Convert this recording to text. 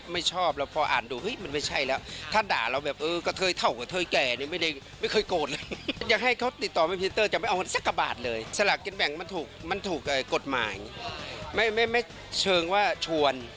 ไม่เชิงว่าชวน